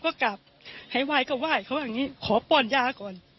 เขาให้ออกมาเขาไม่ให้อยู่ในนั้น